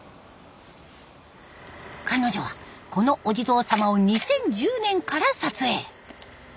彼女はこのお地蔵さまを２０１０年から撮影。